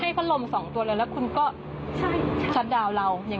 ให้พ่อลม๒ตัวเลยแล้วคุณก็ชัดด่าวเรา